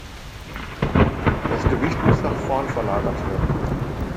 Das Gewicht muss nach vorn verlagert werden.